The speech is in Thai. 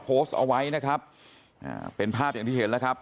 โพสต์เอาไว้นะครับอ่าเป็นภาพอย่างที่เห็นแล้วครับ